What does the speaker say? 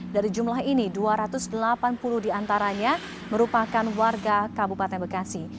dari jumlah ini dua ratus delapan puluh diantaranya merupakan warga kabupaten bekasi